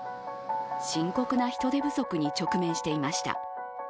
深刻な人手不足に直面していました。